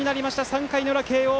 ３回の裏、慶応。